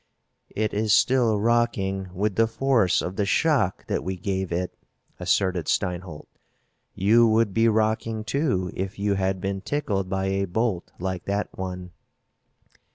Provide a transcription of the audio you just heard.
"It is still rocking with the force of the shock that we gave it," asserted Steinholt. "You would be rocking, too, if you had been tickled by a bolt like that one."